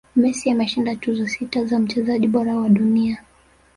messi ameshinda tuzo sita za mchezaji bora wa dunia